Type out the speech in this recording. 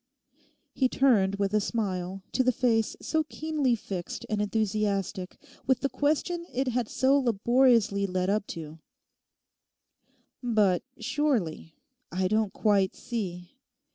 He turned with a smile to the face so keenly fixed and enthusiastic with the question it had so laboriously led up to: 'But surely, I don't quite see...